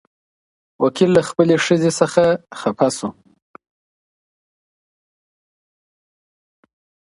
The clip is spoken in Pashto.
وکيل له خپلې ښځې څخه خپه شو.